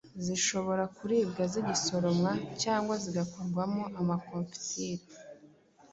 zishobora kuribwa zigisoromwa cyangwa zigakorwamo amakomfitire.